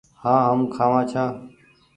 هآن هم کآوآن ڇآن ۔